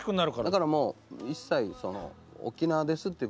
だからもう一切沖縄ですってことも。